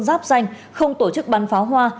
giáp danh không tổ chức bắn pháo hoa